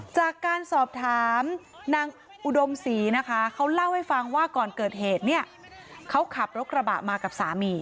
จากการสอบถามนางอุดมศรีนะคะเขาเล่าให้ฟังว่าก่อนเกิดเหตุเนี่ยเขาขับรถกระบะมากับสามี